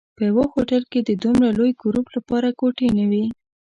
په یوه هوټل کې د دومره لوی ګروپ لپاره کوټې نه وې.